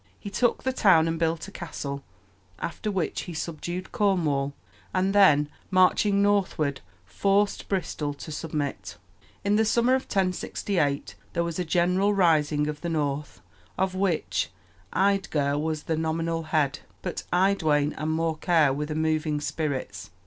He took the town and built a castle, after which he subdued Cornwall, and then marching northward forced Bristol to submit. In the summer of 1068 there was a general rising of the North, of which Eadgar was the nominal head; but Eadwine and Morkere were the moving spirits.